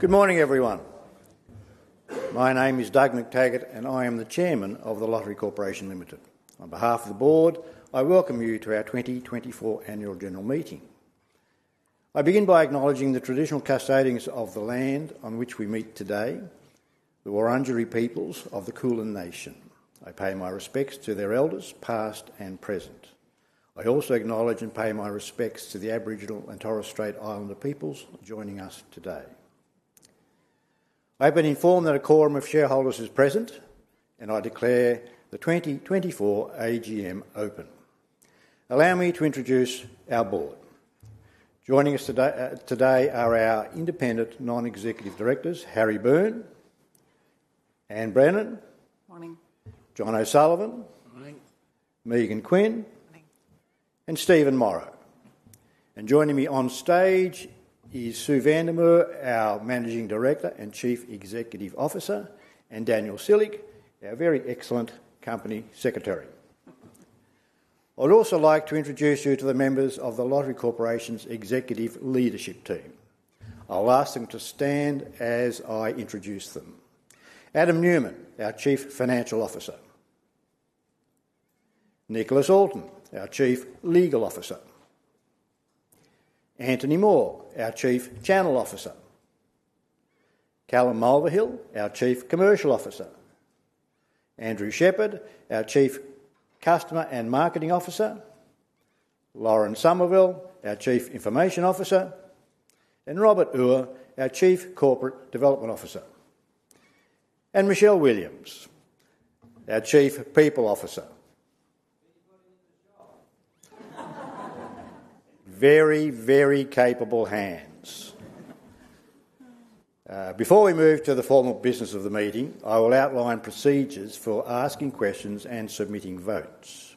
Good morning, everyone. My name is Doug McTaggart, and I am the Chairman of The Lottery Corporation Limited. On behalf of the board, I welcome you to our 2024 Annual General Meeting. I begin by acknowledging the traditional custodians of the land on which we meet today, the Wurundjeri peoples of the Kulin Nation. I pay my respects to their elders, past and present. I also acknowledge and pay my respects to the Aboriginal and Torres Strait Islander peoples joining us today. I've been informed that a quorum of shareholders is present, and I declare the 2024 AGM open. Allow me to introduce our board. Joining us today are our independent Non-Executive Directors, Harry Boon, Anne Brennan- Morning. John O'Sullivan- Morning... Megan Quinn- Morning And Stephen Morro. Joining me on stage is Sue van der Merwe, our Managing Director and Chief Executive Officer, and Daniel Csillag, our very excellent Company Secretary. I'd also like to introduce you to the members of The Lottery Corporation's executive leadership team. I'll ask them to stand as I introduce them. Adam Newman, our Chief Financial Officer; Nicholas Allton, our Chief Legal Officer; Antony Moore, our Chief Channel Officer; Callum Mulvihill, our Chief Commercial Officer; Andrew Shepherd, our Chief Customer and Marketing Officer; Loren Somerville, our Chief Information Officer; and Robert Ure, our Chief Corporate Development Officer, and Michelle Williams, our Chief People Officer. She's new in the job. Very, very capable hands. Before we move to the formal business of the meeting, I will outline procedures for asking questions and submitting votes.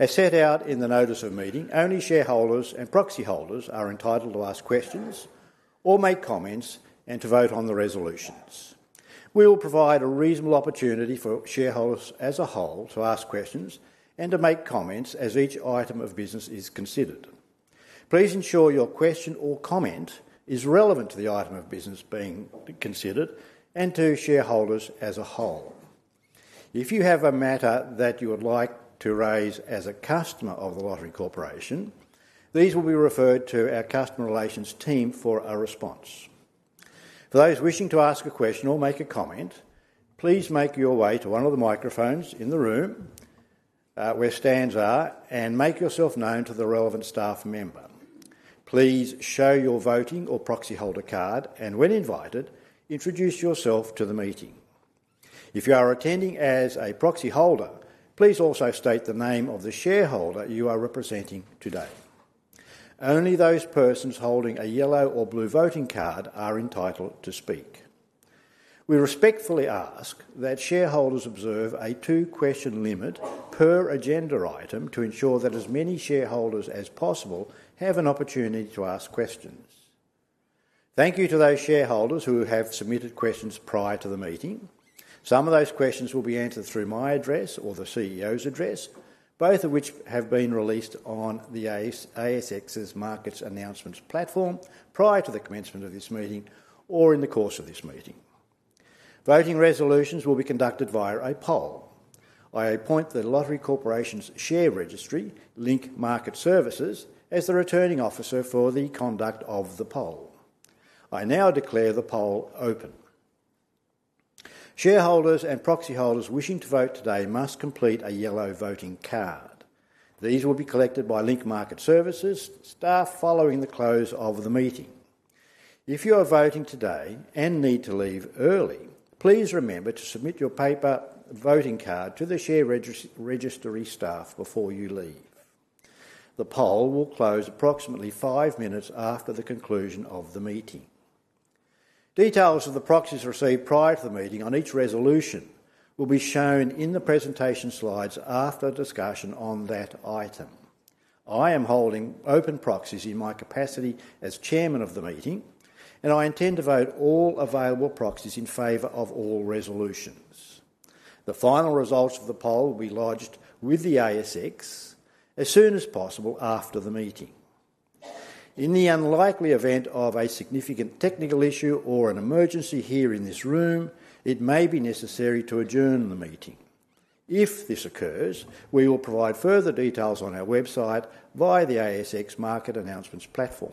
As set out in the Notice of Meeting, only shareholders and proxyholders are entitled to ask questions or make comments and to vote on the resolutions. We will provide a reasonable opportunity for shareholders as a whole to ask questions and to make comments as each item of business is considered. Please ensure your question or comment is relevant to the item of business being considered and to shareholders as a whole. If you have a matter that you would like to raise as a customer of The Lottery Corporation, these will be referred to our customer relations team for a response. For those wishing to ask a question or make a comment, please make your way to one of the microphones in the room, where stands are, and make yourself known to the relevant staff member. Please show your voting or proxy holder card, and when invited, introduce yourself to the meeting. If you are attending as a proxy holder, please also state the name of the shareholder you are representing today. Only those persons holding a yellow or blue voting card are entitled to speak. We respectfully ask that shareholders observe a two-question limit per agenda item to ensure that as many shareholders as possible have an opportunity to ask questions. Thank you to those shareholders who have submitted questions prior to the meeting. Some of those questions will be answered through my address or the CEO's address, both of which have been released on the ASX's Market Announcements Platform prior to the commencement of this meeting or in the course of this meeting. Voting resolutions will be conducted via a poll. I appoint The Lottery Corporation's share registry, Link Market Services, as the Returning Officer for the conduct of the poll. I now declare the poll open. Shareholders and proxyholders wishing to vote today must complete a yellow voting card. These will be collected by Link Market Services staff following the close of the meeting. If you are voting today and need to leave early, please remember to submit your paper voting card to the share registry staff before you leave. The poll will close approximately five minutes after the conclusion of the meeting. Details of the proxies received prior to the meeting on each resolution will be shown in the presentation slides after discussion on that item. I am holding open proxies in my capacity as chairman of the meeting, and I intend to vote all available proxies in favor of all resolutions. The final results of the poll will be lodged with the ASX as soon as possible after the meeting. In the unlikely event of a significant technical issue or an emergency here in this room, it may be necessary to adjourn the meeting. If this occurs, we will provide further details on our website via the ASX Market Announcements Platform.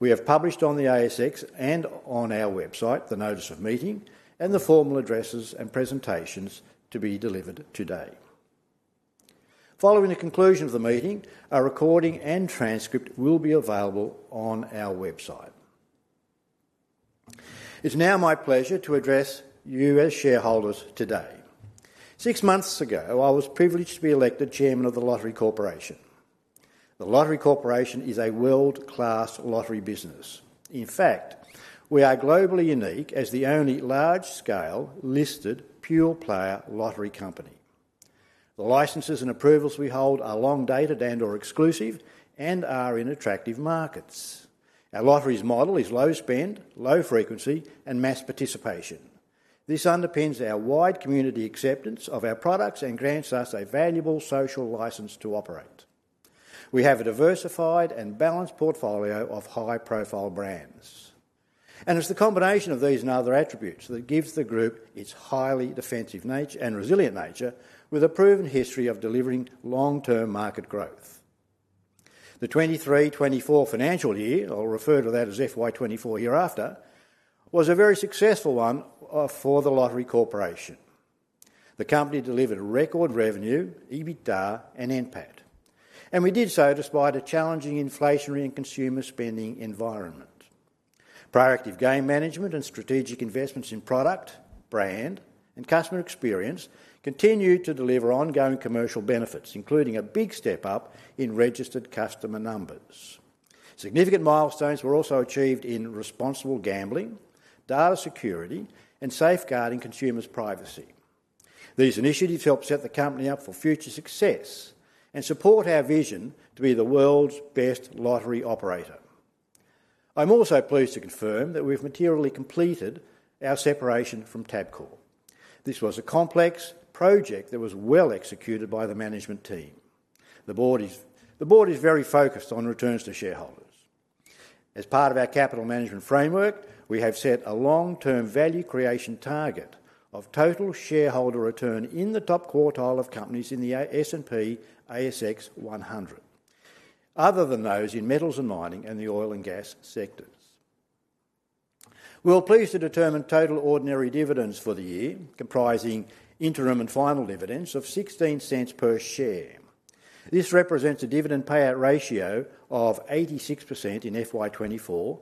We have published on the ASX and on our website the Notice of Meeting and the formal addresses and presentations to be delivered today. Following the conclusion of the meeting, a recording and transcript will be available on our website. It's now my pleasure to address you as shareholders today. Six months ago, I was privileged to be elected chairman of The Lottery Corporation. The Lottery Corporation is a world-class lottery business. In fact, we are globally unique as the only large-scale, listed, pure-player lottery company. The licenses and approvals we hold are long-dated and/or exclusive and are in attractive markets. Our lotteries model is low spend, low frequency, and mass participation. This underpins our wide community acceptance of our products and grants us a valuable social license to operate. We have a diversified and balanced portfolio of high profile brands, and it's the combination of these and other attributes that gives the group its highly defensive nature and resilient nature, with a proven history of delivering long-term market growth. The 2023, 2024 financial year, I'll refer to that as FY 2024 hereafter, was a very successful one for The Lottery Corporation. The company delivered record revenue, EBITDA and NPAT, and we did so despite a challenging inflationary and consumer spending environment. Proactive game management and strategic investments in product, brand, and customer experience continued to deliver ongoing commercial benefits, including a big step up in registered customer numbers. Significant milestones were also achieved in responsible gambling, data security, and safeguarding consumers' privacy. These initiatives help set the company up for future success and support our vision to be the world's best lottery operator. I'm also pleased to confirm that we've materially completed our separation from Tabcorp. This was a complex project that was well executed by the management team. The board is very focused on returns to shareholders. As part of our capital management framework, we have set a long-term value creation target of total shareholder return in the top quartile of companies in the S&P/ASX 100, other than those in metals and mining and the oil and gas sectors. We were pleased to determine total ordinary dividends for the year, comprising interim and final dividends of 0.16 per share. This represents a dividend payout ratio of 86% in FY 2024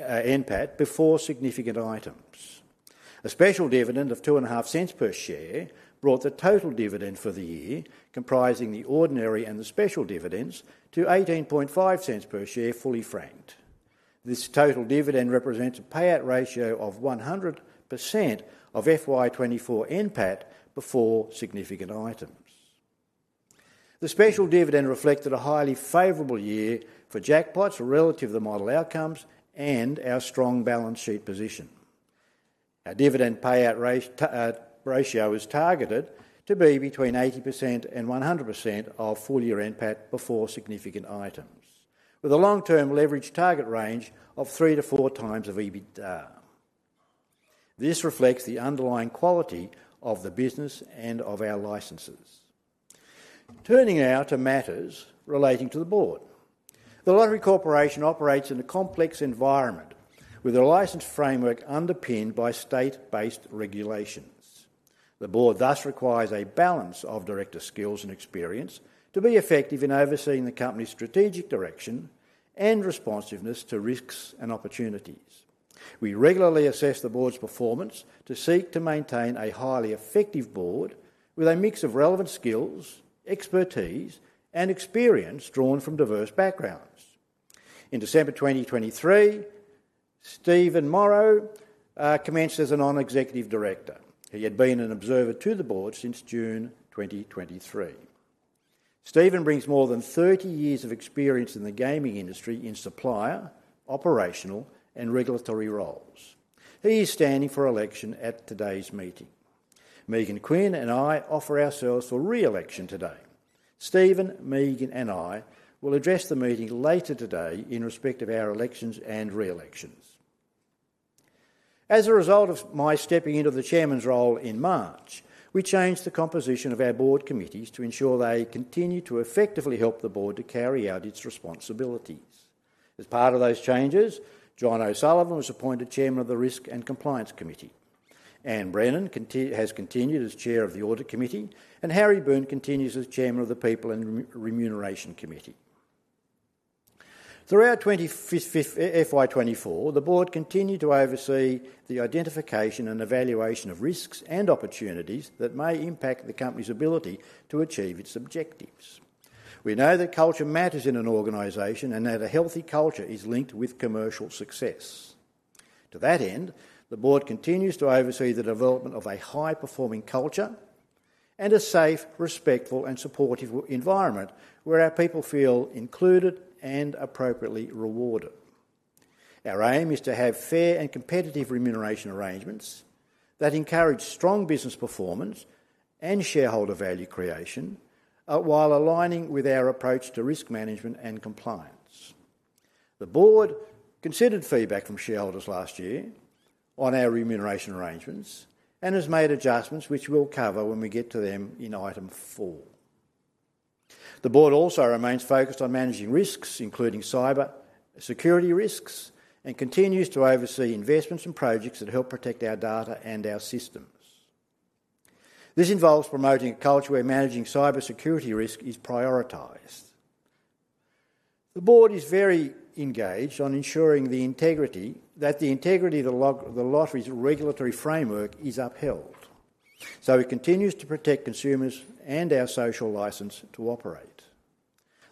NPAT, before significant items. A special dividend of 0.025 per share brought the total dividend for the year, comprising the ordinary and the special dividends, to 0.185 per share, fully franked. This total dividend represents a payout ratio of 100% of FY 2024 NPAT before significant items. The special dividend reflected a highly favorable year for jackpots relative to the model outcomes and our strong balance sheet position. Our dividend payout ratio is targeted to be between 80% and 100% of full year NPAT before significant items, with a long-term leverage target range of 3x to 4x EBITDA. This reflects the underlying quality of the business and of our licenses. Turning now to matters relating to the board. The Lottery Corporation operates in a complex environment, with a license framework underpinned by state-based regulations. The board thus requires a balance of director skills and experience to be effective in overseeing the company's strategic direction and responsiveness to risks and opportunities. We regularly assess the board's performance to seek to maintain a highly effective board with a mix of relevant skills, expertise, and experience drawn from diverse backgrounds. In December 2023, Stephen Morro commenced as a Non-Executive Director. He had been an observer to the board since June 2023. Stephen brings more than 30 years of experience in the gaming industry in supplier, operational, and regulatory roles. He is standing for election at today's meeting. Megan Quinn and I offer ourselves for re-election today. Stephen, Megan, and I will address the meeting later today in respect of our elections and re-elections. As a result of my stepping into the chairman's role in March, we changed the composition of our board committees to ensure they continue to effectively help the board to carry out its responsibilities. As part of those changes, John O'Sullivan was appointed chairman of the Risk and Compliance Committee. Anne Brennan has continued as Chair of the Audit Committee, and Harry Boon continues as Chairman of the People and Remuneration Committee. Throughout FY 2024, the board continued to oversee the identification and evaluation of risks and opportunities that may impact the company's ability to achieve its objectives. We know that culture matters in an organization, and that a healthy culture is linked with commercial success. To that end, the board continues to oversee the development of a high-performing culture and a safe, respectful, and supportive environment where our people feel included and appropriately rewarded. Our aim is to have fair and competitive remuneration arrangements that encourage strong business performance and shareholder value creation, while aligning with our approach to risk management and compliance. The board considered feedback from shareholders last year on our remuneration arrangements and has made adjustments which we'll cover when we get to them Item 4. The board also remains focused on managing risks, including cybersecurity risks, and continues to oversee investments and projects that help protect our data and our systems. This involves promoting a culture where managing cybersecurity risk is prioritized. The board is very engaged on ensuring the integrity of the lottery's regulatory framework is upheld, so it continues to protect consumers and our social license to operate.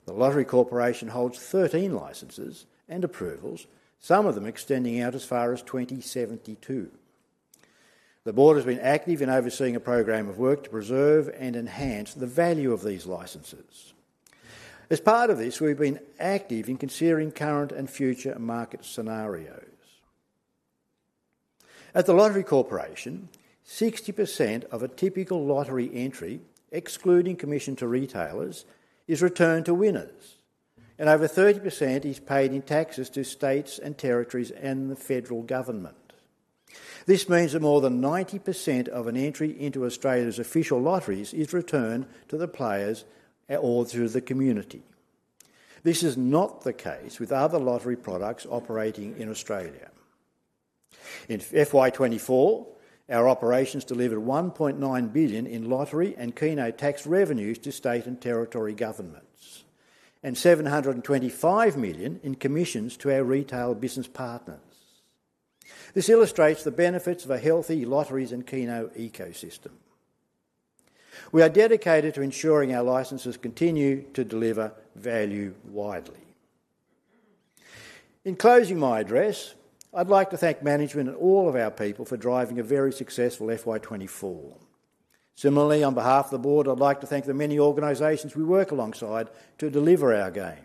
The Lottery Corporation holds 13 licenses and approvals, some of them extending out as far as 2072. The board has been active in overseeing a program of work to preserve and enhance the value of these licenses. As part of this, we've been active in considering current and future market scenarios. At The Lottery Corporation, 60% of a typical lottery entry, excluding commission to retailers, is returned to winners, and over 30% is paid in taxes to states and territories and the federal government. This means that more than 90% of an entry into Australia's official lotteries is returned to the players or through the community. This is not the case with other lottery products operating in Australia. In FY 2024, our operations delivered AUD 1.9 billion in lottery and Keno tax revenues to state and territory governments, and AUD 725 million in commissions to our retail business partners. This illustrates the benefits of a healthy lotteries and Keno ecosystem. We are dedicated to ensuring our licenses continue to deliver value widely. In closing my address, I'd like to thank management and all of our people for driving a very successful FY 2024. Similarly, on behalf of the board, I'd like to thank the many organizations we work alongside to deliver our games.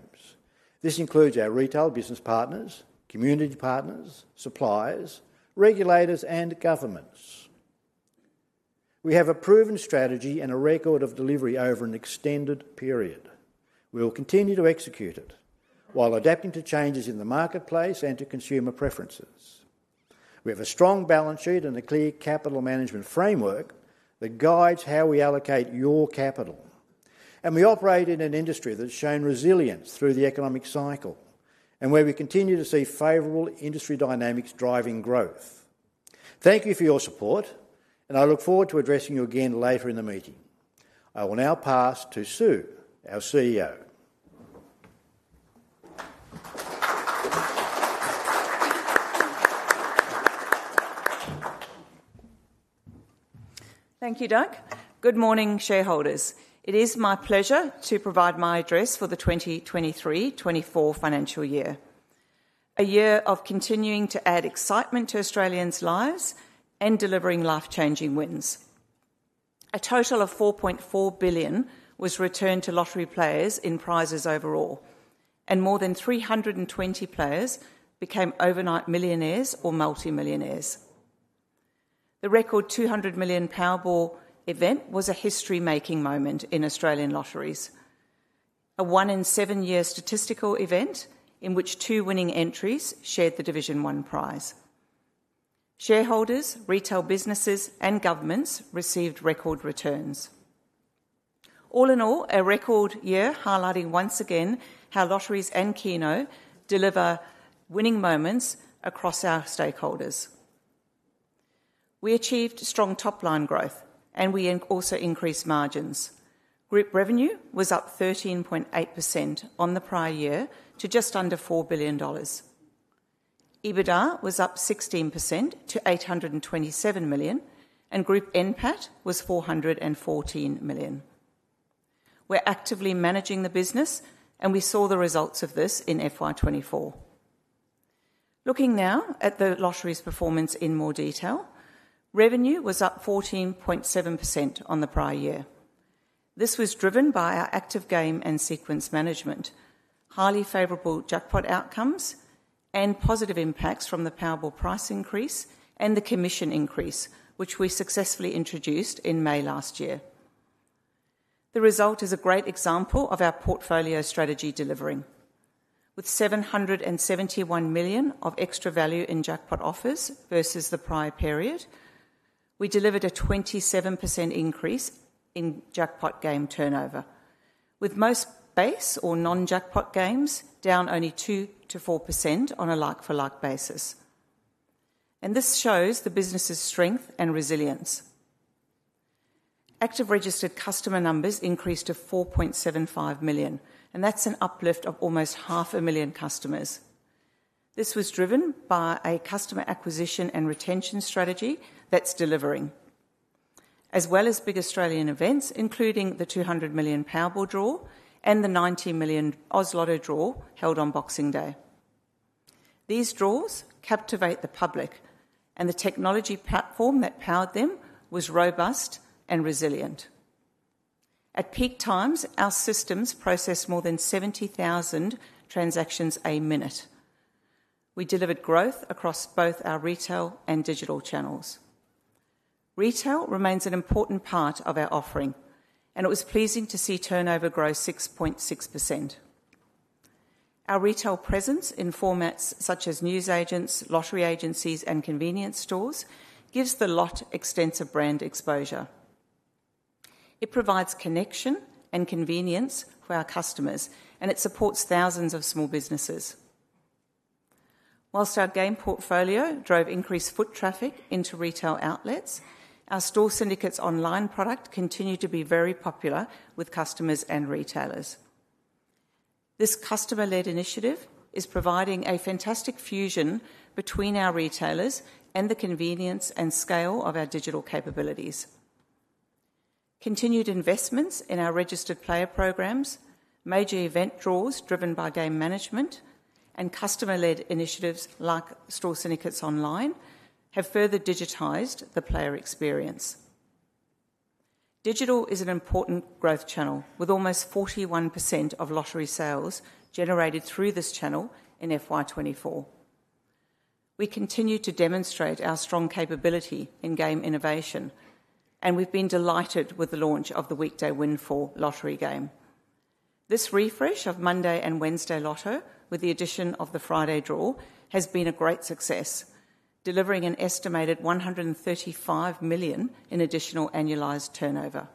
This includes our retail business partners, community partners, suppliers, regulators, and governments. We have a proven strategy and a record of delivery over an extended period. We will continue to execute it while adapting to changes in the marketplace and to consumer preferences. We have a strong balance sheet and a clear capital management framework that guides how we allocate your capital, and we operate in an industry that has shown resilience through the economic cycle, and where we continue to see favorable industry dynamics driving growth. Thank you for your support, and I look forward to addressing you again later in the meeting. I will now pass to Sue, our CEO. Thank you, Doug. Good morning, shareholders. It is my pleasure to provide my address for the 2023-2024 financial year, a year of continuing to add excitement to Australians' lives and delivering life-changing wins. A total of 4.4 billion was returned to lottery players in prizes overall, and more than 320 players became overnight millionaires or multimillionaires. The record 200 million Powerball event was a history-making moment in Australian lotteries, a one-in-seven-year statistical event in which two winning entries shared the Division One prize. Shareholders, retail businesses, and governments received record returns. All in all, a record year highlighting once again how lotteries and Keno deliver winning moments across our stakeholders. We achieved strong top-line growth, and we also increased margins. Group revenue was up 13.8% on the prior year to just under 4 billion dollars. EBITDA was up 16% to 827 million, and group NPAT was 414 million. We're actively managing the business, and we saw the results of this in FY 2024. Looking now at the lottery's performance in more detail, revenue was up 14.7% on the prior year. This was driven by our active game and sequence management, highly favorable jackpot outcomes, and positive impacts from the Powerball price increase and the commission increase, which we successfully introduced in May last year. The result is a great example of our portfolio strategy delivering. With 771 million of extra value in jackpot offers versus the prior period, we delivered a 27% increase in jackpot game turnover, with most base or non-jackpot games down only 2% to 4% on a like-for-like basis, and this shows the business's strength and resilience. Active registered customer numbers increased to 4.75 million, and that's an uplift of almost 500,000 customers. This was driven by a customer acquisition and retention strategy that's delivering, as well as big Australian events, including the 200 million Powerball draw and the 90 million Oz Lotto draw held on Boxing Day. These draws captivate the public, and the technology platform that powered them was robust and resilient. At peak times, our systems processed more than 70,000 transactions a minute. We delivered growth across both our retail and digital channels. Retail remains an important part of our offering, and it was pleasing to see turnover grow 6.6%. Our retail presence in formats such as news agents, lottery agencies, and convenience stores gives The Lott extensive brand exposure. It provides connection and convenience for our customers, and it supports thousands of small businesses. While our game portfolio drove increased foot traffic into retail outlets, our Store Syndicates Online product continued to be very popular with customers and retailers. This customer-led initiative is providing a fantastic fusion between our retailers and the convenience and scale of our digital capabilities. Continued investments in our registered player programs, major event draws driven by game management, and customer-led initiatives like Store Syndicates Online, have further digitized the player experience. Digital is an important growth channel, with almost 41% of lottery sales generated through this channel in FY 2024. We continue to demonstrate our strong capability in game innovation, and we've been delighted with the launch of the Weekday Windfall lottery game. This refresh of Monday and Wednesday Lotto, with the addition of the Friday draw, has been a great success, delivering an estimated 135 million in additional annualized turnover.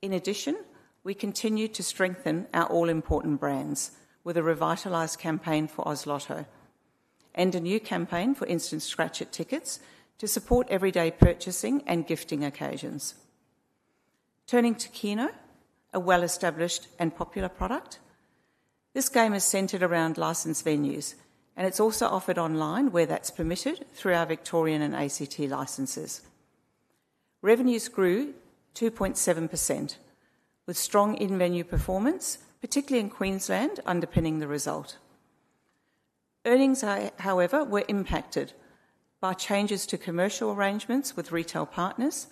In addition, we continue to strengthen our all-important brands with a revitalized campaign for Oz Lotto and a new campaign for Instant Scratch-Its tickets to support everyday purchasing and gifting occasions. Turning to Keno, a well-established and popular product, this game is centered around licensed venues, and it's also offered online where that's permitted through our Victorian and ACT licenses. Revenues grew 2.7%, with strong in-venue performance, particularly in Queensland, underpinning the result. Earnings are, however, impacted by changes to commercial arrangements with retail partners,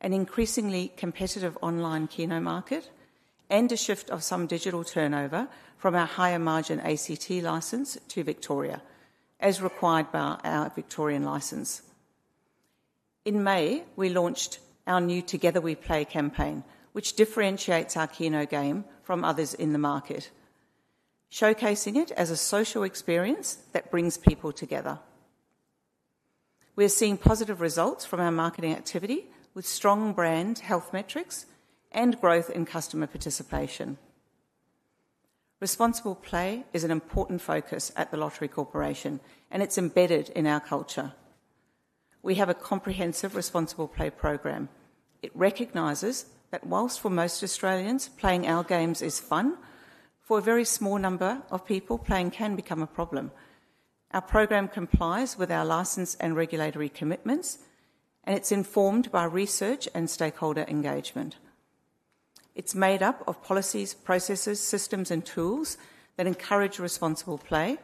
an increasingly competitive online Keno market, and a shift of some digital turnover from our higher-margin ACT license to Victoria, as required by our Victorian license. In May, we launched our new Together We Play campaign, which differentiates our Keno game from others in the market, showcasing it as a social experience that brings people together. We are seeing positive results from our marketing activity, with strong brand health metrics and growth in customer participation. Responsible play is an important focus at The Lottery Corporation, and it's embedded in our culture. We have a comprehensive responsible play program. It recognizes that while for most Australians, playing our games is fun, for a very small number of people, playing can become a problem. Our program complies with our license and regulatory commitments, and it's informed by research and stakeholder engagement. It's made up of policies, processes, systems, and tools that encourage responsible play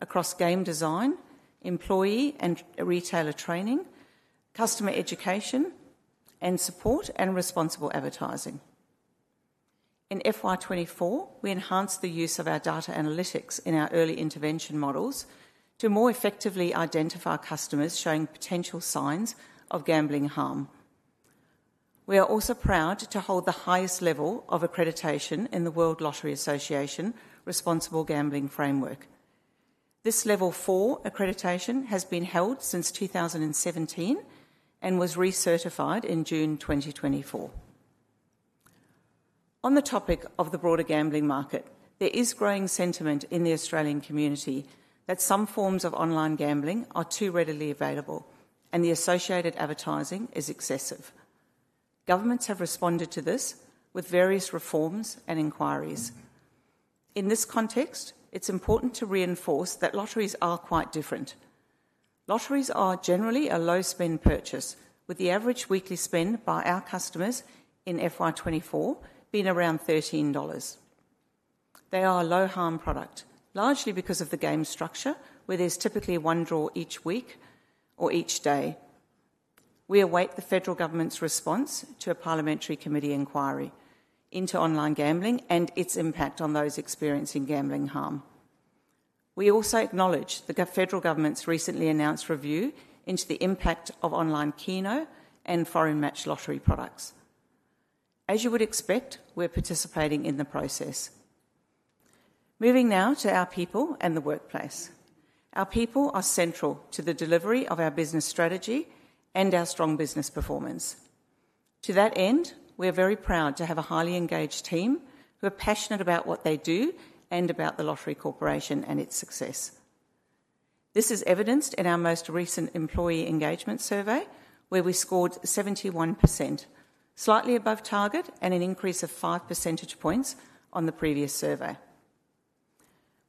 across game design, employee and retailer training, customer education, and support and responsible advertising. In FY 2024, we enhanced the use of our data analytics in our early intervention models to more effectively identify customers showing potential signs of gambling harm. We are also proud to hold the highest level of accreditation in the World Lottery Association Responsible Gambling Framework. This Level 4 accreditation has been held since 2017 and was recertified in June 2024. On the topic of the broader gambling market, there is growing sentiment in the Australian community that some forms of online gambling are too readily available and the associated advertising is excessive. Governments have responded to this with various reforms and inquiries. In this context, it's important to reinforce that lotteries are quite different. Lotteries are generally a low-spend purchase, with the average weekly spend by our customers in FY 2024 being around 13 dollars. They are a low-harm product, largely because of the game structure, where there's typically one draw each week or each day. We await the federal government's response to a parliamentary committee inquiry into online gambling and its impact on those experiencing gambling harm. We also acknowledge the federal government's recently announced review into the impact of online Keno and foreign matched lottery products. As you would expect, we're participating in the process. Moving now to our people and the workplace. Our people are central to the delivery of our business strategy and our strong business performance. To that end, we are very proud to have a highly engaged team who are passionate about what they do and about The Lottery Corporation and its success. This is evidenced in our most recent employee engagement survey, where we scored 71%, slightly above target and an increase of five percentage points on the previous survey.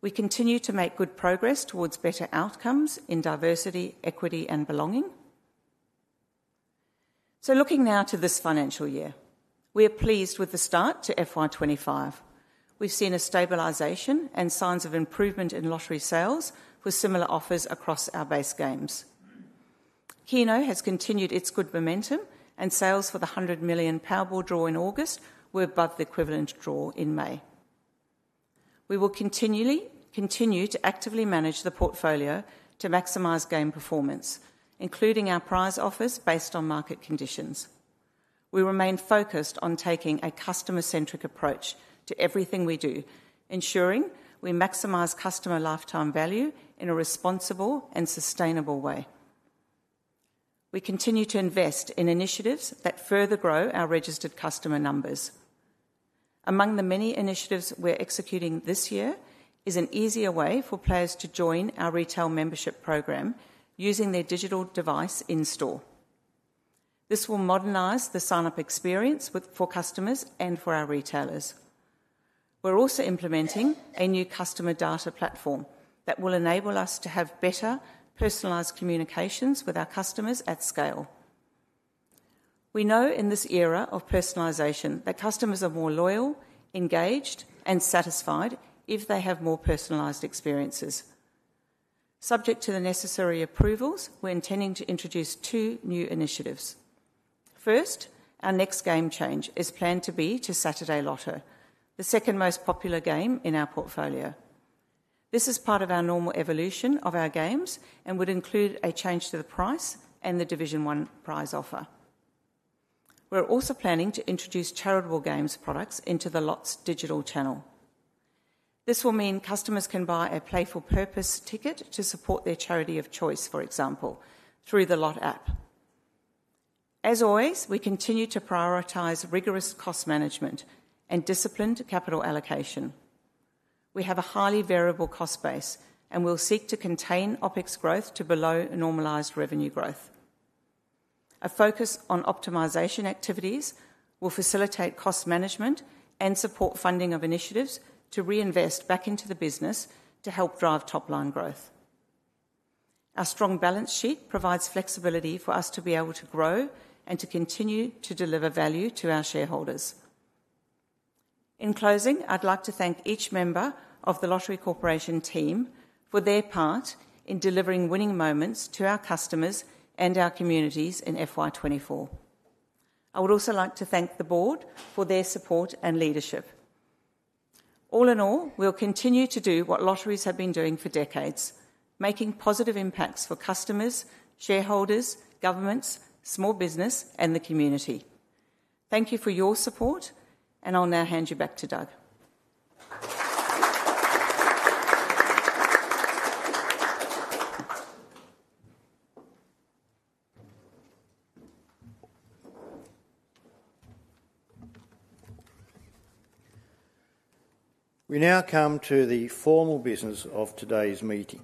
We continue to make good progress towards better outcomes in diversity, equity, and belonging. Looking now to this financial year, we are pleased with the start to FY 2025. We've seen a stabilization and signs of improvement in lottery sales with similar offers across our base games. Keno has continued its good momentum, and sales for the 100 million Powerball draw in August were above the equivalent draw in May. We will continue to actively manage the portfolio to maximize game performance, including our prize offers based on market conditions. We remain focused on taking a customer-centric approach to everything we do, ensuring we maximize customer lifetime value in a responsible and sustainable way. We continue to invest in initiatives that further grow our registered customer numbers. Among the many initiatives we're executing this year is an easier way for players to join our retail membership program using their digital device in store. This will modernize the sign-up experience for customers and for our retailers. We're also implementing a new customer data platform that will enable us to have better personalized communications with our customers at scale. We know in this era of personalization that customers are more loyal, engaged, and satisfied if they have more personalized experiences. Subject to the necessary approvals, we're intending to introduce two new initiatives. First, our next game change is planned to be to Saturday Lotto, the second most popular game in our portfolio. This is part of our normal evolution of our games, and would include a change to the price and the Division One prize offer. We're also planning to introduce charitable games products into The Lott's digital channel. This will mean customers can buy a Play For Purpose ticket to support their charity of choice, for example, through The Lott app. As always, we continue to prioritize rigorous cost management and disciplined capital allocation. We have a highly variable cost base, and we'll seek to contain OpEx growth to below a normalized revenue growth. A focus on optimization activities will facilitate cost management and support funding of initiatives to reinvest back into the business to help drive top-line growth. Our strong balance sheet provides flexibility for us to be able to grow and to continue to deliver value to our shareholders. In closing, I'd like to thank each member of The Lottery Corporation team for their part in delivering winning moments to our customers and our communities in FY 2024. I would also like to thank the board for their support and leadership. All in all, we'll continue to do what lotteries have been doing for decades: making positive impacts for customers, shareholders, governments, small business, and the community. Thank you for your support, and I'll now hand you back to Doug. We now come to the formal business of today's meeting.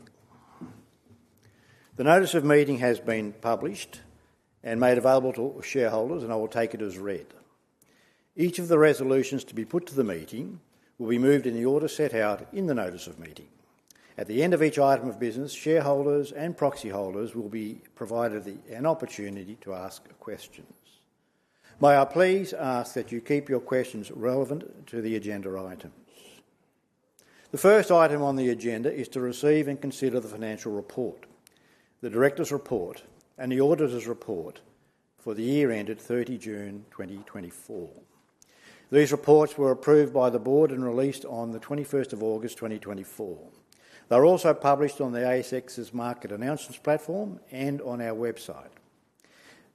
The Notice of Meeting has been published and made available to all shareholders, and I will take it as read. Each of the resolutions to be put to the meeting will be moved in the order set out in the Notice of Meeting. At the end of each item of business, shareholders and proxy holders will be provided an opportunity to ask questions. May I please ask that you keep your questions relevant to the agenda items? The first item on the agenda is to receive and consider the financial report, the director's report, and the auditor's report for the year ended thirty June, 2024. These reports were approved by the board and released on the 21st of August, 2024. They're also published on the ASX's Market Announcements Platform and on our website.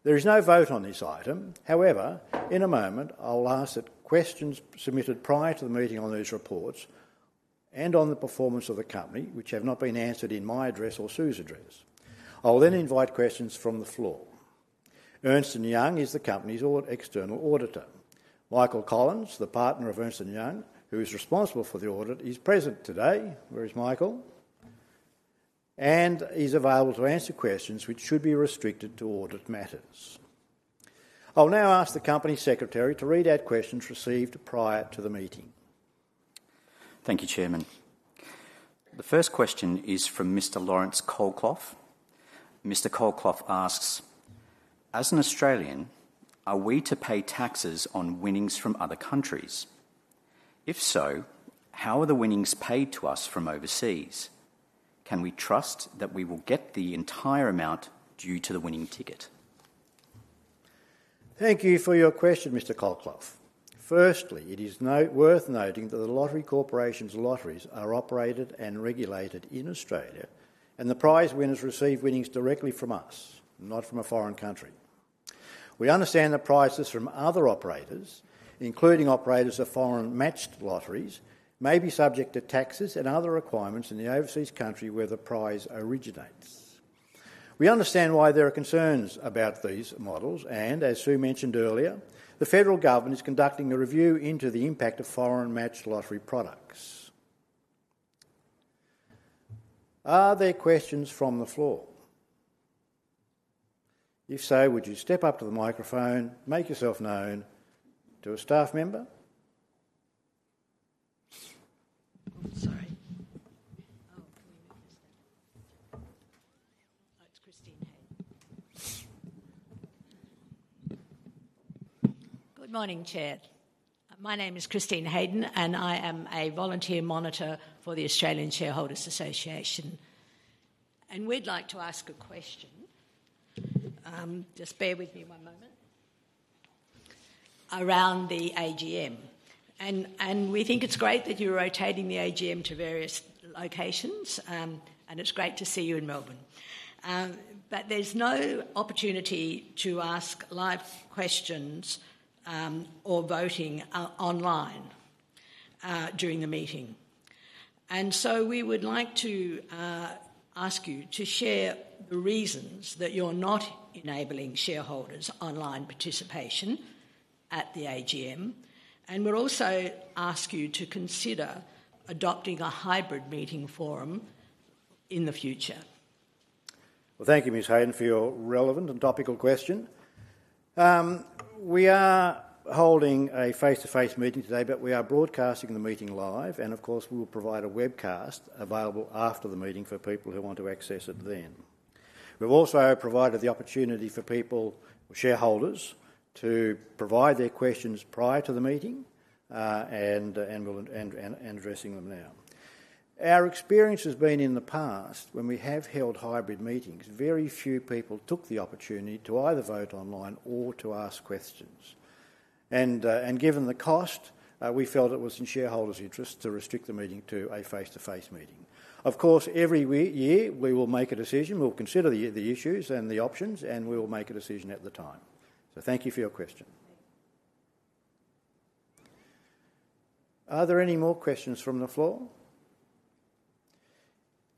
There is no vote on this item. However, in a moment, I will ask that questions submitted prior to the meeting on these reports and on the performance of the company, which have not been answered in my address or Sue's address. I will then invite questions from the floor. Ernst & Young is the company's External Auditor. Michael Collins, the partner of Ernst & Young, who is responsible for the audit, is present today. Where is Michael? And he's available to answer questions which should be restricted to audit matters. I'll now ask the Company Secretary to read out questions received prior to the meeting. Thank you, Chairman. The first question is from Mr. Lawrence Colclough. Mr. Colclough asks: As an Australian, are we to pay taxes on winnings from other countries? If so, how are the winnings paid to us from overseas? Can we trust that we will get the entire amount due to the winning ticket? Thank you for your question, Mr. Colclough. First, it is worth noting that The Lottery Corporation's lotteries are operated and regulated in Australia, and the prize winners receive winnings directly from us, not from a foreign country. We understand that prizes from other operators, including operators of foreign matched lotteries, may be subject to taxes and other requirements in the overseas country where the prize originates. We understand why there are concerns about these models, and as Sue mentioned earlier, the federal government is conducting a review into the impact of foreign matched lottery products. Are there questions from the floor? If so, would you step up to the microphone, make yourself known to a staff member? Sorry. Oh, it's Christine Haydon. Good morning, Chair. My name is Christine Haydon, and I am a volunteer monitor for the Australian Shareholders Association. And we'd like to ask a question, just bear with me one moment, around the AGM. And we think it's great that you're rotating the AGM to various locations, and it's great to see you in Melbourne. But there's no opportunity to ask live questions or voting online during the meeting. And so we would like to ask you to share the reasons that you're not enabling shareholders' online participation at the AGM, and we'll also ask you to consider adopting a hybrid meeting forum in the future. Well, thank you, Ms. Haydon, for your relevant and topical question. We are holding a face-to-face meeting today, but we are broadcasting the meeting live, and of course, we will provide a webcast available after the meeting for people who want to access it then... We've also provided the opportunity for people, shareholders, to provide their questions prior to the meeting, and we'll addressing them now. Our experience has been in the past, when we have held hybrid meetings, very few people took the opportunity to either vote online or to ask questions. Given the cost, we felt it was in shareholders' interest to restrict the meeting to a face-to-face meeting. Of course, every year, we will make a decision. We'll consider the issues and the options, and we will make a decision at the time. Thank you for your question. Are there any more questions from the floor?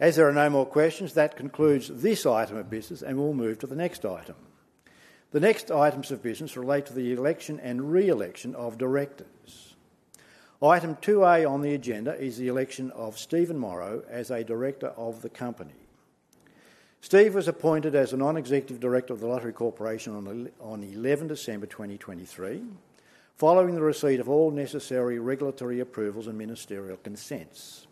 As there are no more questions, that concludes this item of business, and we'll move to the next item. The next items of business relate to the election and re-election of directors. Item 2A on the agenda is the election of Stephen Morro as a Director of the company. Steve was appointed as a Non-Executive Director of The Lottery Corporation on 11 December 2023, following the receipt of all necessary regulatory approvals and ministerial consents.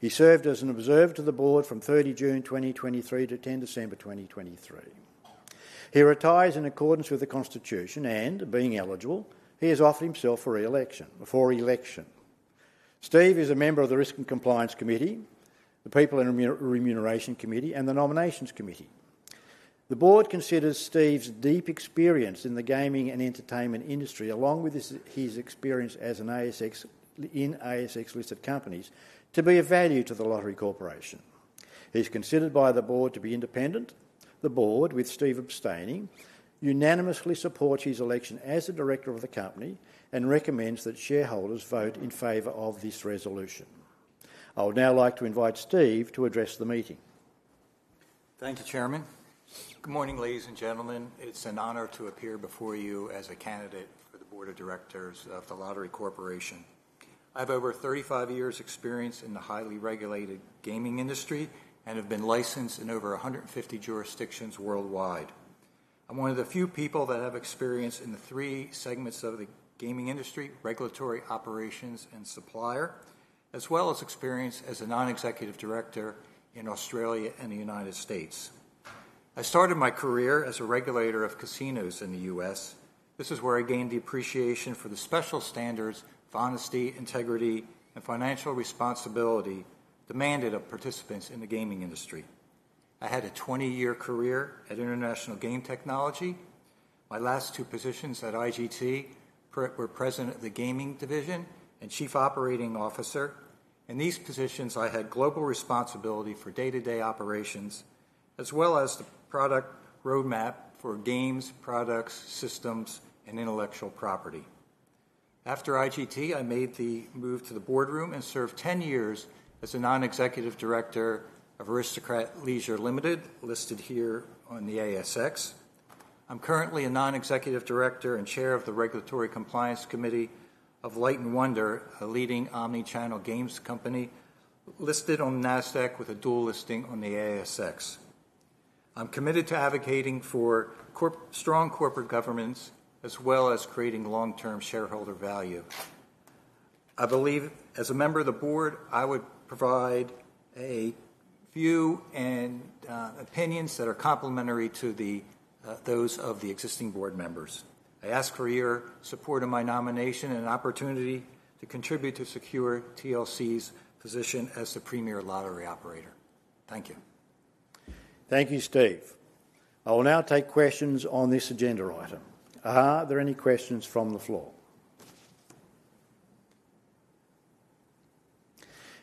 He served as an observer to the board from 30 June 2023 to 10 December 2023. He retires in accordance with the Constitution, and being eligible, he has offered himself for election. Steve is a member of the Risk and Compliance Committee, the People and Remuneration Committee, and the Nominations Committee. The board considers Steve's deep experience in the gaming and entertainment industry, along with his experience in ASX-listed companies, to be of value to The Lottery Corporation. He's considered by the board to be independent. The board, with Steve abstaining, unanimously supports his election as a director of the company and recommends that shareholders vote in favor of this resolution. I would now like to invite Steve to address the meeting. Thank you, Chairman. Good morning, ladies and gentlemen. It's an honor to appear before you as a candidate for the board of Directors of The Lottery Corporation. I have over 35 years' experience in the highly regulated gaming industry and have been licensed in over a 150 jurisdictions worldwide. I'm one of the few people that have experience in the three segments of the gaming industry: regulatory, operations, and supplier, as well as experience as a non-executive director in Australia and the United States. I started my career as a regulator of casinos in the U.S. This is where I gained the appreciation for the special standards of honesty, integrity, and financial responsibility demanded of participants in the gaming industry. I had a 20-year career at International Game Technology. My last two positions at IGT were President of the Gaming Division and Chief Operating Officer. In these positions, I had global responsibility for day-to-day operations, as well as the product roadmap for games, products, systems, and intellectual property. After IGT, I made the move to the boardroom and served 10 years as a non-executive director of Aristocrat Leisure Limited, listed here on the ASX. I'm currently a non-executive director and chair of the Regulatory Compliance Committee of Light & Wonder, a leading omni-channel games company listed on Nasdaq with a dual listing on the ASX. I'm committed to advocating for strong corporate governance, as well as creating long-term shareholder value. I believe as a member of the board, I would provide a view and opinions that are complementary to those of the existing board members. I ask for your support of my nomination and an opportunity to contribute to secure TLC's position as the premier lottery operator. Thank you. Thank you, Steve. I will now take questions on this agenda item. Are there any questions from the floor?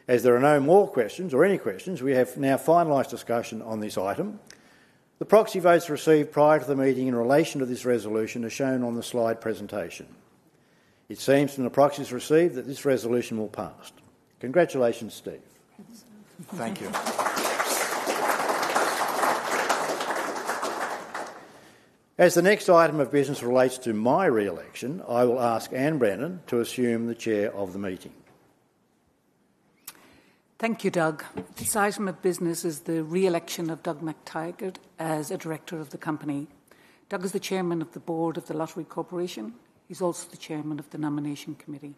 As there are no more questions or any questions, we have now finalized discussion on this item. The proxy votes received prior to the meeting in relation to this resolution are shown on the slide presentation. It seems from the proxies received that this resolution will pass. Congratulations, Steve. Thank you. As the next item of business relates to my re-election, I will ask Anne Brennan to assume the Chair of the Meeting. Thank you, Doug. This item of business is the re-election of Doug McTaggart as a director of the company. Doug is the Chairman of the Board of The Lottery Corporation. He's also the Chairman of the Nomination Committee.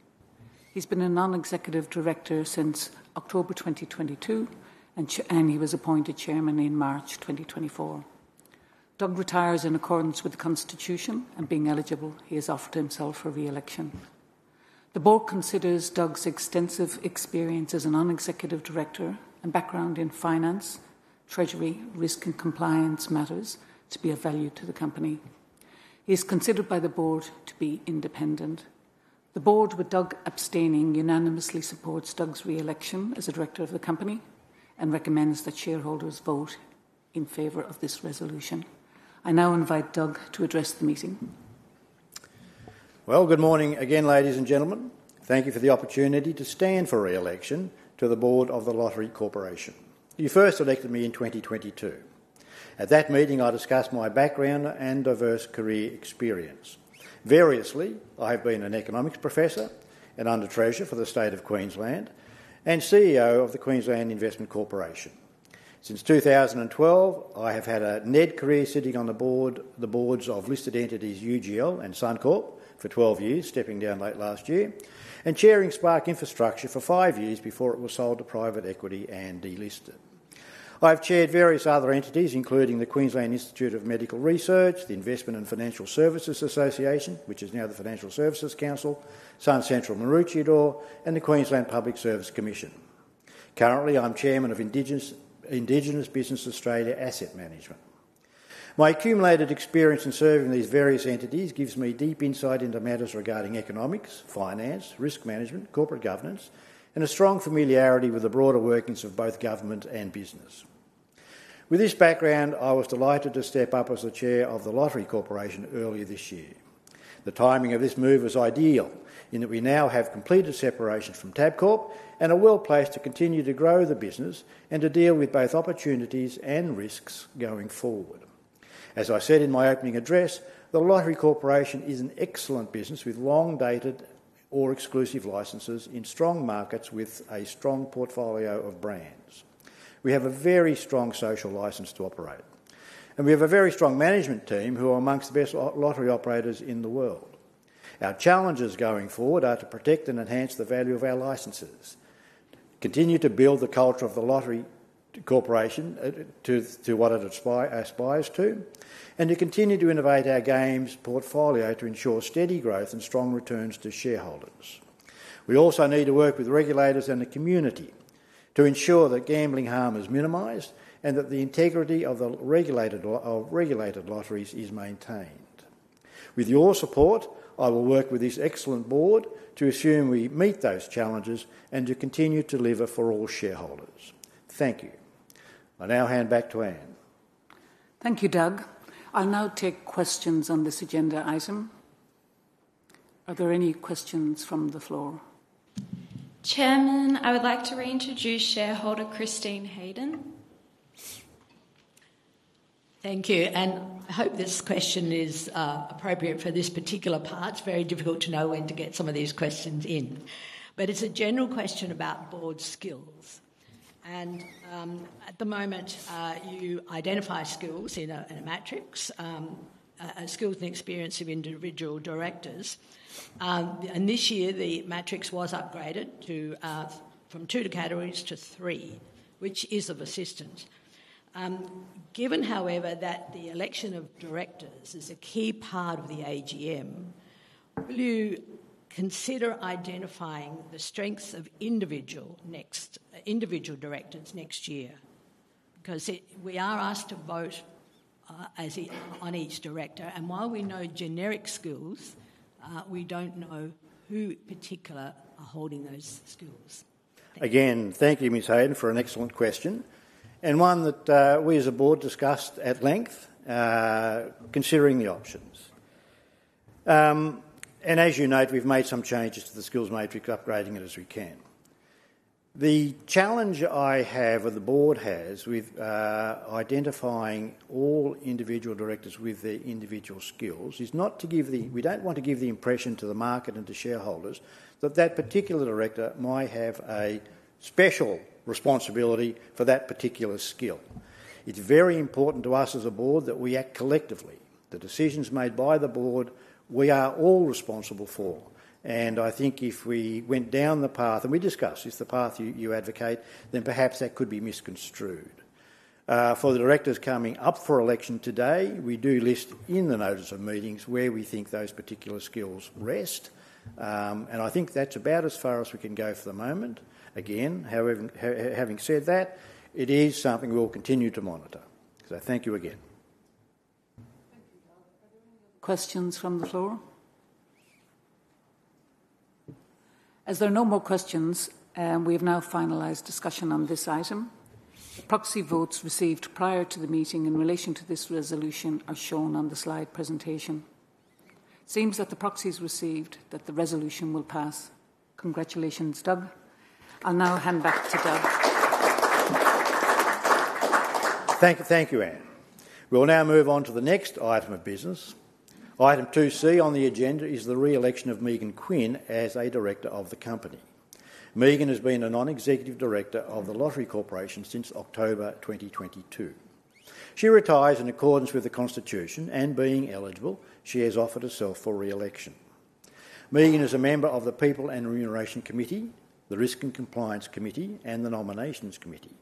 He's been a Non-Executive Director since October 2022, and he was appointed Chairman in March 2024. Doug retires in accordance with the Constitution, and being eligible, he has offered himself for re-election. The board considers Doug's extensive experience as a Non-Executive Director and background in finance, treasury, risk, and compliance matters to be of value to the company. He is considered by the board to be independent. The board, with Doug abstaining, unanimously supports Doug's re-election as a Director of the company and recommends that shareholders vote in favor of this resolution. I now invite Doug to address the meeting. Good morning again, ladies and gentlemen. Thank you for the opportunity to stand for re-election to the board of The Lottery Corporation. You first elected me in 2022. At that meeting, I discussed my background and diverse career experience. Variously, I have been an economics professor, an Under Treasurer for the State of Queensland, and CEO of the Queensland Investment Corporation. Since 2012, I have had a NED career sitting on the board, the boards of listed entities UGL and Suncorp for 12 years, stepping down late last year, and chairing Spark Infrastructure for 5 years before it was sold to private equity and delisted. I've chaired various other entities, including the Queensland Institute of Medical Research, the Investment and Financial Services Association, which is now the Financial Services Council, SunCentral Maroochydore, and the Queensland Public Service Commission. Currently, I'm Chairman of Indigenous Business Australia Asset Management. My accumulated experience in serving these various entities gives me deep insight into matters regarding economics, finance, risk management, corporate governance, and a strong familiarity with the broader workings of both government and business. With this background, I was delighted to step up as the chair of The Lottery Corporation earlier this year. The timing of this move was ideal, in that we now have completed separations from Tabcorp and are well-placed to continue to grow the business and to deal with both opportunities and risks going forward. As I said in my opening address, The Lottery Corporation is an excellent business with long-dated or exclusive licenses in strong markets with a strong portfolio of brands. We have a very strong Social License to Operate, and we have a very strong management team who are amongst the best lottery operators in the world. Our challenges going forward are to protect and enhance the value of our licenses, continue to build the culture of The Lottery Corporation, to what it aspires to, and to continue to innovate our games portfolio to ensure steady growth and strong returns to shareholders. We also need to work with regulators and the community to ensure that gambling harm is minimized and that the integrity of the regulated lotteries is maintained. With your support, I will work with this excellent board to ensure we meet those challenges and to continue to deliver for all shareholders. Thank you. I now hand back to Anne. Thank you, Doug. I'll now take questions on this agenda item. Are there any questions from the floor? Chairman, I would like to reintroduce shareholder Christine Haydon. Thank you, and I hope this question is appropriate for this particular part. It's very difficult to know when to get some of these questions in. But it's a general question about board skills, and at the moment you identify skills in a matrix, skills and experience of individual directors. And this year, the matrix was upgraded to from two categories to three, which is of assistance. Given, however, that the election of directors is a key part of the AGM, will you consider identifying the strengths of individual directors next year? Because we are asked to vote as in on each director, and while we know generic skills, we don't know who in particular are holding those skills. Again, thank you, Ms. Haydon, for an excellent question and one that, we as a board discussed at length, considering the options, and as you note, we've made some changes to the skills matrix, upgrading it as we can. The challenge I have, or the board has, with identifying all individual directors with their individual skills is not to give the... We don't want to give the impression to the market and to shareholders that that particular director might have a special responsibility for that particular skill. It's very important to us as a board that we act collectively. The decisions made by the board, we are all responsible for, and I think if we went down the path, and we discussed this, the path you advocate, then perhaps that could be misconstrued. For the directors coming up for election today, we do list in the Notice of Meetings where we think those particular skills rest, and I think that's about as far as we can go for the moment. Again, however, having said that, it is something we'll continue to monitor, so thank you again. Thank you, Doug. Are there any other questions from the floor? As there are no more questions, we have now finalized discussion on this item. Proxy votes received prior to the meeting in relation to this resolution are shown on the slide presentation. Seems that the proxies received, that the resolution will pass. Congratulations, Doug. I'll now hand back to Doug. Thank you. Thank you, Anne. We will now move on to the next item of business. Item 2C on the agenda is the re-election of Megan Quinn as a director of the company. Megan has been a non-executive director of The Lottery Corporation since October 2022. She retires in accordance with the Constitution, and being eligible, she has offered herself for re-election. Megan is a member of the People and Remuneration Committee, the Risk and Compliance Committee, and the Nominations Committee.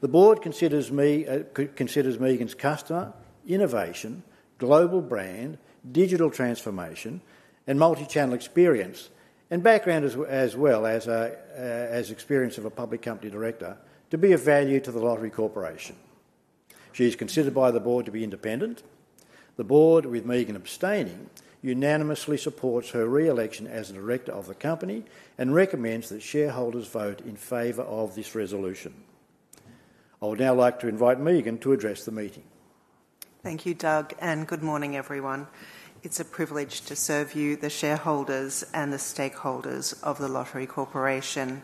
The board considers Megan's customer, innovation, global brand, digital transformation, and multi-channel experience and background as well as experience of a public company director, to be of value to The Lottery Corporation. She is considered by the board to be independent. The board, with Megan abstaining, unanimously supports her re-election as a director of the company and recommends that shareholders vote in favor of this resolution. I would now like to invite Megan to address the meeting. Thank you, Doug, and good morning, everyone. It's a privilege to serve you, the shareholders, and the stakeholders of The Lottery Corporation.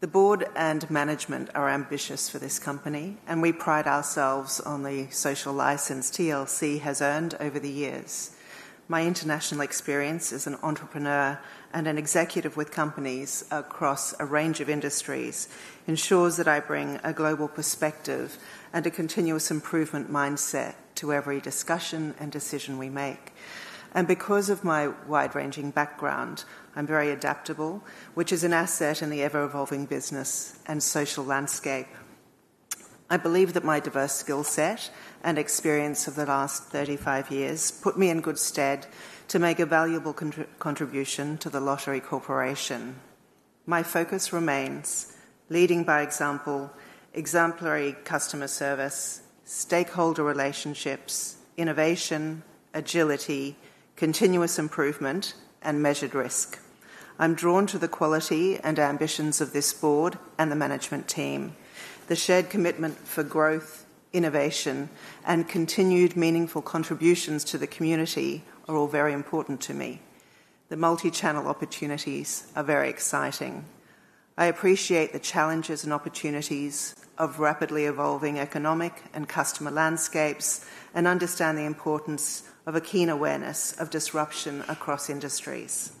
The board and management are ambitious for this company, and we pride ourselves on the social license TLC has earned over the years. My international experience as an entrepreneur and an executive with companies across a range of industries ensures that I bring a global perspective and a continuous improvement mindset to every discussion and decision we make, and because of my wide-ranging background, I'm very adaptable, which is an asset in the ever-evolving business and social landscape. I believe that my diverse skill set and experience of the last 35 years put me in good stead to make a valuable contribution to The Lottery Corporation. My focus remains leading by example, exemplary customer service, stakeholder relationships, innovation, agility, continuous improvement, and measured risk. I'm drawn to the quality and ambitions of this board and the management team. The shared commitment for growth, innovation, and continued meaningful contributions to the community are all very important to me. The multi-channel opportunities are very exciting. I appreciate the challenges and opportunities of rapidly evolving economic and customer landscapes, and understand the importance of a keen awareness of disruption across industries.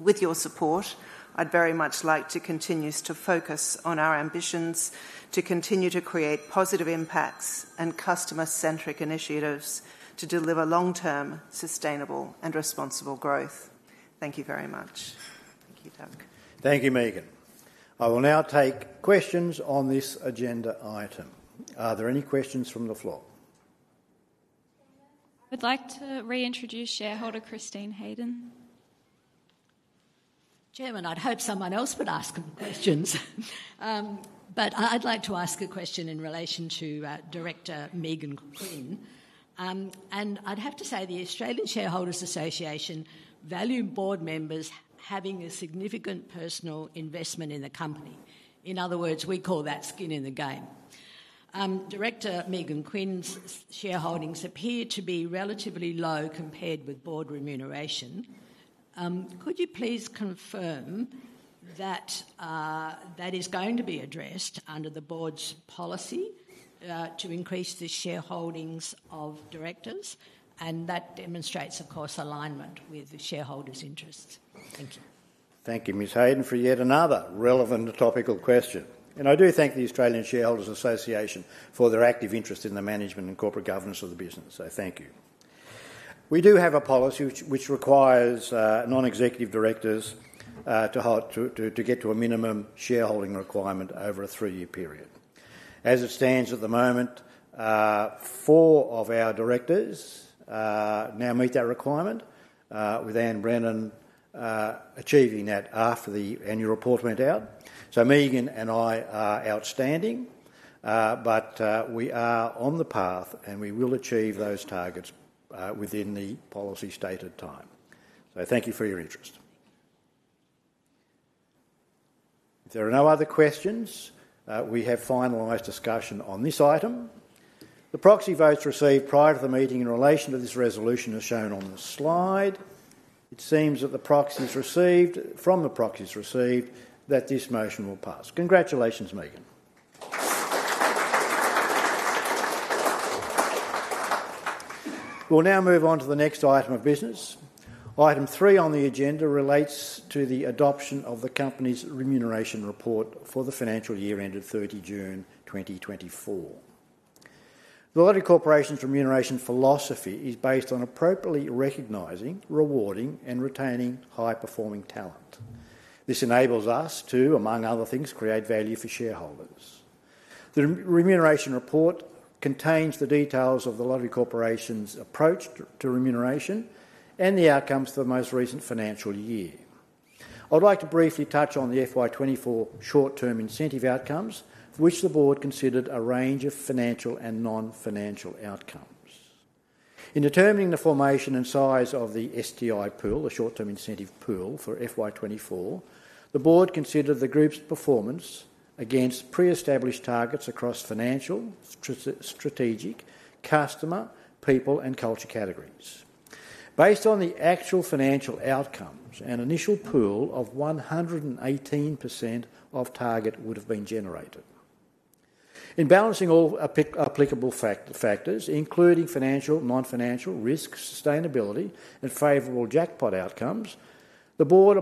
With your support, I'd very much like to continue to focus on our ambitions to continue to create positive impacts and customer-centric initiatives to deliver long-term, sustainable, and responsible growth. Thank you very much. Thank you, Doug. Thank you, Megan. I will now take questions on this agenda item. Are there any questions from the floor? I'd like to reintroduce shareholder Christine Haydon. Chairman, I'd hoped someone else would ask the questions, but I, I'd like to ask a question in relation to Director Megan Quinn, and I'd have to say the Australian Shareholders Association value board members having a significant personal investment in the company. In other words, we call that skin in the game. Director Megan Quinn's shareholdings appear to be relatively low compared with board remuneration. Could you please confirm that that is going to be addressed under the board's policy to increase the shareholdings of directors, and that demonstrates, of course, alignment with the shareholders' interests? Thank you. Thank you, Ms. Haydon, for yet another relevant and topical question, and I do thank the Australian Shareholders Association for their active interest in the management and corporate governance of the business, so thank you. We do have a policy which requires non-executive directors to hold to get to a minimum shareholding requirement over a three-year period. As it stands at the moment, four of our directors now meet that requirement with Anne Brennan achieving that after the annual report went out, so Megan and I are outstanding, but we are on the path, and we will achieve those targets within the policy stated time, so thank you for your interest. If there are no other questions, we have finalized discussion on this item. The proxy votes received prior to the meeting in relation to this resolution are shown on the slide. It seems from the proxies received that this motion will pass. Congratulations, Megan. We'll now move on to the next item of business. Item three on the agenda relates to the adoption of the company's remuneration report for the financial year ended thirty June 2024. The Lottery Corporation's remuneration philosophy is based on appropriately recognizing, rewarding, and retaining high-performing talent. This enables us to, among other things, create value for shareholders. The remuneration report contains the details of The Lottery Corporation's approach to remuneration and the outcomes for the most recent financial year. I'd like to briefly touch on the FY 2024 short-term incentive outcomes, for which the board considered a range of financial and non-financial outcomes. In determining the formation and size of the STI pool, the short-term incentive pool, for FY 2024, the board considered the group's performance against pre-established targets across financial, strategic, customer, people, and culture categories. Based on the actual financial outcomes, an initial pool of 118% of target would have been generated. In balancing all applicable factors, including financial, non-financial, risk, sustainability, and favorable jackpot outcomes, the board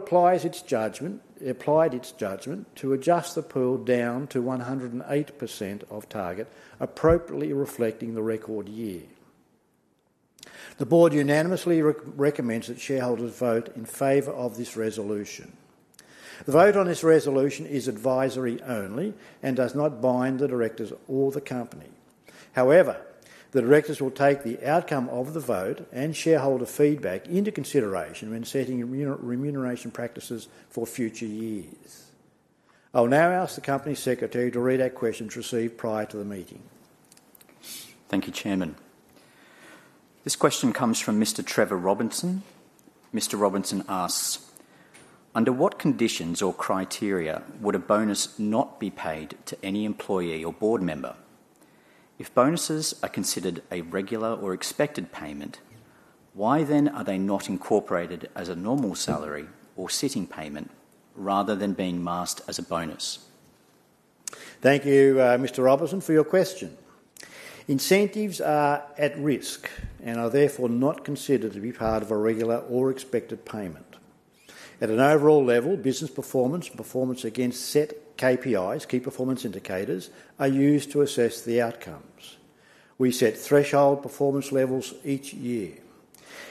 applied its judgment to adjust the pool down to 108% of target, appropriately reflecting the record year. The board unanimously recommends that shareholders vote in favor of this resolution. The vote on this resolution is advisory only and does not bind the directors or the company. However, the directors will take the outcome of the vote and shareholder feedback into consideration when setting remuneration practices for future years. I will now ask the Company Secretary to read out questions received prior to the meeting. Thank you, Chairman. This question comes from Mr. Trevor Robinson. Mr. Robinson asks: Under what conditions or criteria would a bonus not be paid to any employee or board member? If bonuses are considered a regular or expected payment, why then are they not incorporated as a normal salary or sitting payment, rather than being masked as a bonus? Thank you, Mr. Robinson, for your question. Incentives are at risk and are therefore not considered to be part of a regular or expected payment. At an overall level, business performance and performance against set KPIs, key performance indicators, are used to assess the outcomes. We set threshold performance levels each year.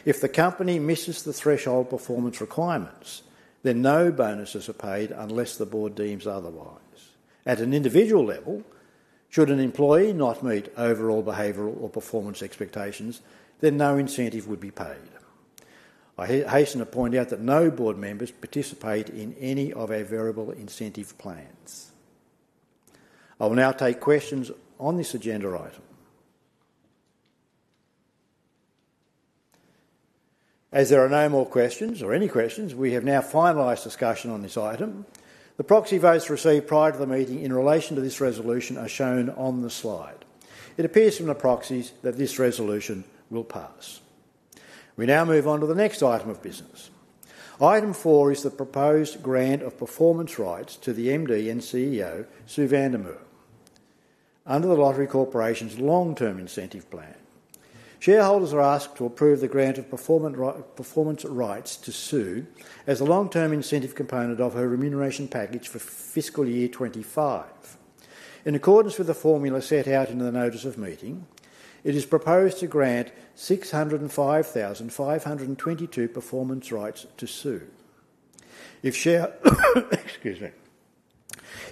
If the company misses the threshold performance requirements, then no bonuses are paid unless the board deems otherwise. At an individual level, should an employee not meet overall behavioral or performance expectations, then no incentive would be paid. I hasten to point out that no board members participate in any of our variable incentive plans. I will now take questions on this agenda item. As there are no more questions or any questions, we have now finalized discussion on this item. The proxy votes received prior to the meeting in relation to this resolution are shown on the slide. It appears from the proxies that this resolution will pass. We now move on to the next item of business. Item 4 is the proposed grant of performance rights to the MD and CEO, Sue van der Merwe, under The Lottery Corporation's long-term incentive plan. Shareholders are asked to approve the grant of performance right, performance rights to Sue as a long-term incentive component of her remuneration package for fiscal year twenty-five. In accordance with the formula set out in the Notice of Meeting, it is proposed to grant six hundred and five thousand five hundred and twenty-two performance rights to Sue. If share, excuse me.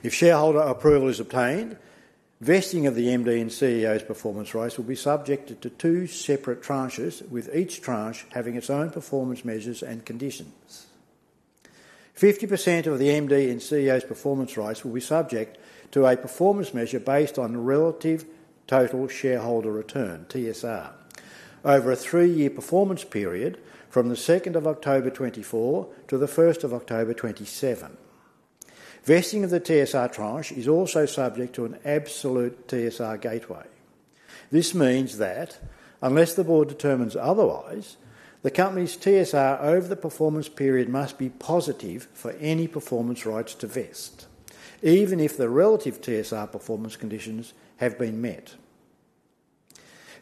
If shareholder approval is obtained, vesting of the MD and CEO's performance rights will be subjected to two separate tranches, with each tranche having its own performance measures and conditions. 50% of the MD and CEO's performance rights will be subject to a performance measure based on relative total shareholder return, TSR, over a three-year performance period from the second of October 2024 to the first of October 2027. Vesting of the TSR tranche is also subject to an absolute TSR gateway. This means that unless the board determines otherwise, the company's TSR over the performance period must be positive for any performance rights to vest, even if the relative TSR performance conditions have been met.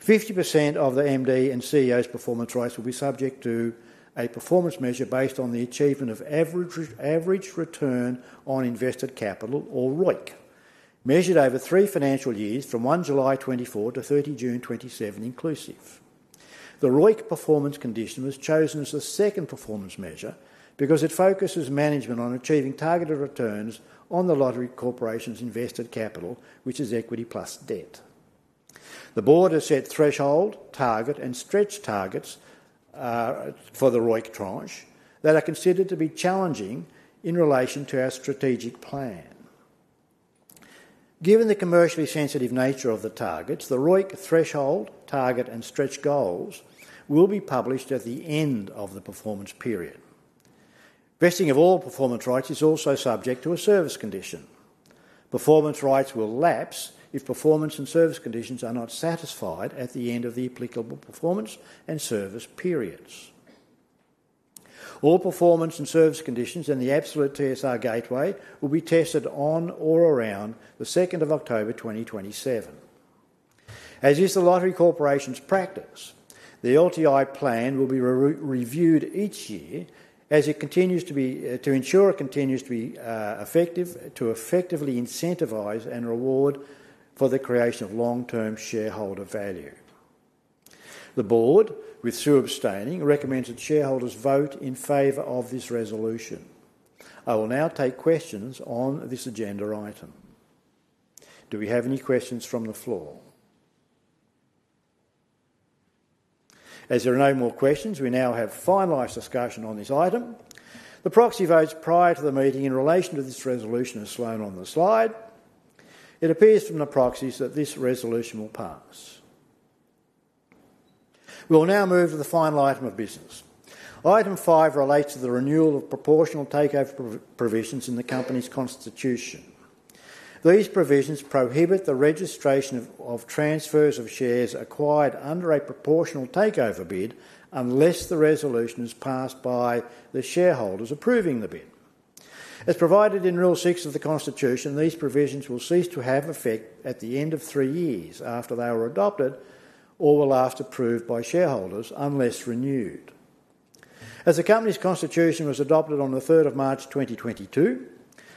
50% of the MD and CEO's performance rights will be subject to a performance measure based on the achievement of average return on invested capital, or ROIC, measured over three financial years from 1 July 2024 to 30 June 2027 inclusive. The ROIC performance condition was chosen as the second performance measure because it focuses management on achieving targeted returns on The Lottery Corporation's invested capital, which is equity plus debt. The board has set threshold, target, and stretch targets for the ROIC tranche that are considered to be challenging in relation to our strategic plan. Given the commercially sensitive nature of the targets, the ROIC threshold, target, and stretch goals will be published at the end of the performance period. Vesting of all performance rights is also subject to a service condition. Performance rights will lapse if performance and service conditions are not satisfied at the end of the applicable performance and service periods. All performance and service conditions in the absolute TSR gateway will be tested on or around the second of October 2027. As is The Lottery Corporation's practice, the LTI plan will be re-reviewed each year as it continues to be, to ensure it continues to be effective, to effectively incentivize and reward for the creation of long-term shareholder value. The board, with Sue abstaining, recommends that shareholders vote in favor of this resolution. I will now take questions on this agenda item. Do we have any questions from the floor? As there are no more questions, we now have finalized discussion on this item. The proxy votes prior to the meeting in relation to this resolution is shown on the slide. It appears from the proxies that this resolution will pass. We will now move to the final item of business. Item five relates to the renewal of proportional takeover provisions in the company's Constitution. These provisions prohibit the registration of transfers of shares acquired under a proportional takeover bid, unless the resolution is passed by the shareholders approving the bid. As provided in Rule 6 of the Constitution, these provisions will cease to have effect at the end of three years after they were adopted or approved by shareholders, unless renewed. As the company's Constitution was adopted on the 3rd of March 2022,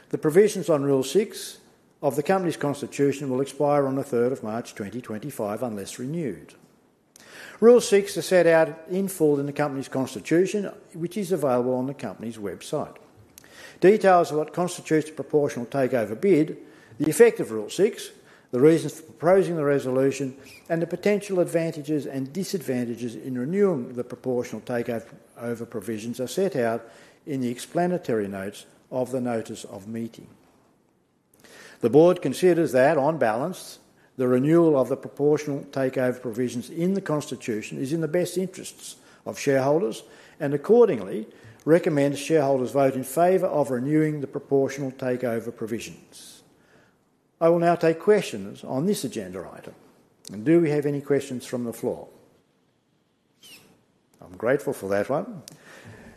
the provisions in Rule 6 of the company's Constitution will expire on the third of March 2025, unless renewed. Rule 6 is set out in full in the company's Constitution, which is available on the company's website. Details of what constitutes a proportional takeover bid, the effect of Rule 6, the reasons for proposing the resolution, and the potential advantages and disadvantages in renewing the proportional takeover provisions are set out in the explanatory notes of the Notice of Meeting. The board considers that, on balance, the renewal of the proportional takeover provisions in the Constitution is in the best interests of shareholders, and accordingly, recommends shareholders vote in favor of renewing the proportional takeover provisions. I will now take questions on this agenda item, and do we have any questions from the floor? I'm grateful for that one.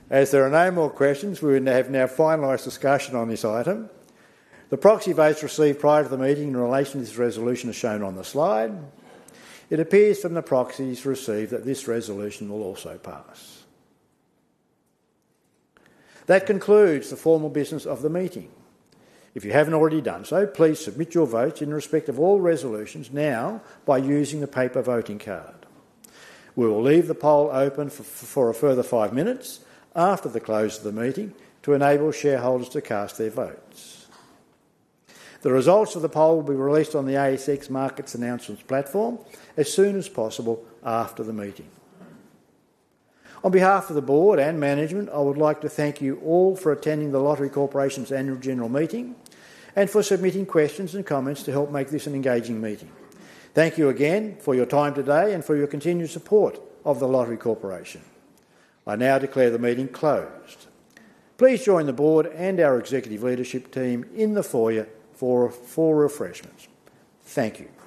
As there are no more questions, we have now finalized discussion on this item. The proxy votes received prior to the meeting in relation to this resolution is shown on the slide. It appears from the proxies received that this resolution will also pass. That concludes the formal business of the meeting. If you haven't already done so, please submit your votes in respect of all resolutions now by using the paper voting card. We will leave the poll open for a further five minutes after the close of the meeting to enable shareholders to cast their votes. The results of the poll will be released on the ASX Market Announcements Platform as soon as possible after the meeting. On behalf of the board and management, I would like to thank you all for attending The Lottery Corporation's Annual General Meeting and for submitting questions and comments to help make this an engaging meeting. Thank you again for your time today and for your continued support of The Lottery Corporation. I now declare the meeting closed. Please join the board and our executive leadership team in the foyer for refreshments. Thank you.